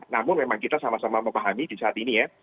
namun memang kita sama sama memahami di saat ini ya